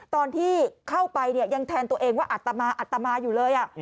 ตอนที่เข้าไปเนี่ยยังแทนตัวเองว่าอัตมาอัตมาอยู่เลย